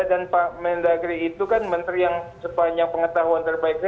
pak mendagri itu kan menteri yang sepanjang pengetahuan terbaiknya